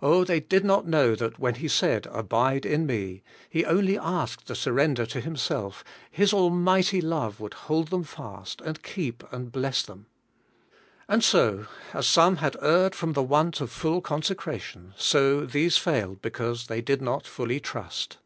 Oh, thej did not know that when He said, 'Abide in me,' He only asked the surrender to Him self, His almighty love would hold them fast, and keep and bless them. And so, as some had erred from the want of full consecration, so these failed because they did not fully trust.